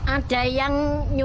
ada yang nyusup